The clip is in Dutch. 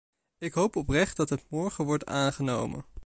Ik hoop oprecht dat het morgen wordt aangenomen.